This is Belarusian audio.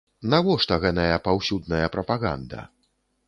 Навошта гэная паўсюдная прапаганда?